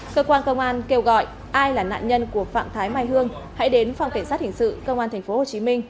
cơ quan công an kêu gọi ai là nạn nhân của phạm thái mai hương hãy đến phòng cảnh sát hình sự công an tp hcm